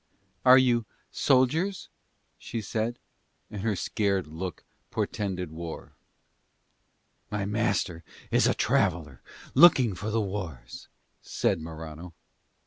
"Are you soldiers?" she said. And her scared look portended war. "My master is a traveller looking for the wars," said Morano.